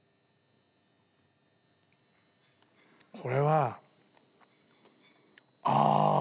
これはああ。